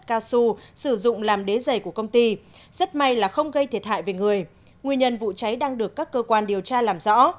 cao su sử dụng làm đế dày của công ty rất may là không gây thiệt hại về người nguyên nhân vụ cháy đang được các cơ quan điều tra làm rõ